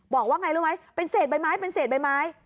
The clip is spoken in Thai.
บอกว่าไงรู้ไหมเป็นเศษใบไม้เป็นเศษใบไม้